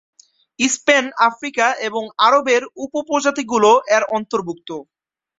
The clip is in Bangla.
স্পেন, আফ্রিকা এবং আরবের উপ-প্রজাতিগুলো এর অন্তর্ভুক্ত।